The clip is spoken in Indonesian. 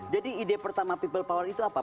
jadi ide pertama people power itu apa